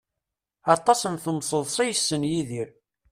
Aṭas n temseḍṣa i yessen Yidir.